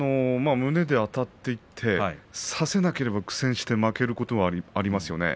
胸であたっていって差せなければ苦戦して負けることはありますよね。